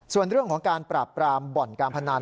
ส่วนเรื่องของการปราบปรามบ่อนการพนัน